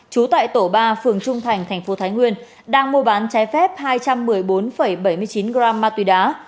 trú tại tổ ba phường trung thành thành phố thái nguyên đang mua bán trái phép hai trăm một mươi bốn bảy mươi chín gram ma túy đá